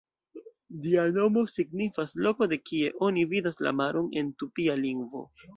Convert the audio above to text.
Ĝia nomo signifas "loko de kie oni vidas la maron" en tupia lingvo.